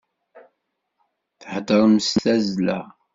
Theddṛem s tazzla.